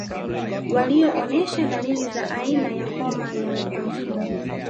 Walioonesha dalili za aina ya homa ya mapafu